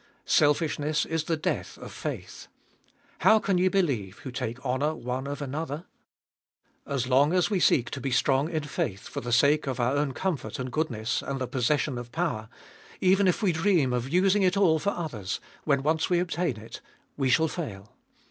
Selfishness is the death of faith. How can ye believe who take honour one of another f As long as we seek to be strong in faith, for the sake of our own comfort and goodness, and the possession of power, even if we dream of using it all for others, when once we obtain it, we shall fail.